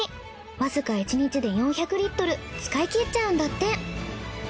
わずか一日で４００リットル使い切っちゃうんだって。